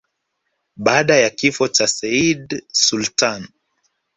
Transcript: Baada ya kifo cha Sayyid Sultan